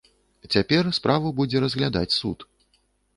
Цяпер справу будзе разглядаць суд.